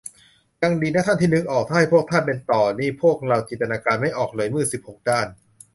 ยังดีนะท่าน ที่นึกออก ถ้าให้พวกท่านเป็นต่อนี่ พวกเราจินตนาการไม่ออกเลย มืดสิบหกด้าน